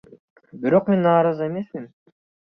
Бирок мен нааразы эмесмин.